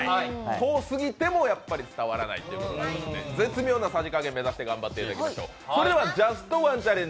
遠すぎてもやっぱり伝わらないということなので、絶妙なさじ加減目指して頑張っていただきましょう。